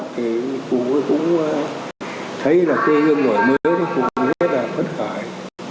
thì cụ cũng thấy là cây hương nổi mới thì cụ cũng rất là phất khởi